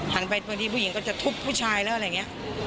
ไปบางทีผู้หญิงก็จะทุบผู้ชายแล้วอะไรอย่างนี้